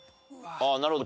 ああなるほど。